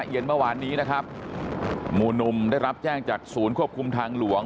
เย็นเมื่อวานนี้นะครับหมู่นุ่มได้รับแจ้งจากศูนย์ควบคุมทางหลวง